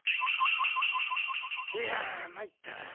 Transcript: いやまいったな。